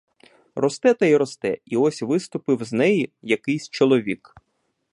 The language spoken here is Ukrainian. Росте та й росте — і ось виступив з неї якийсь чоловік.